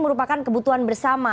merupakan kebutuhan bersama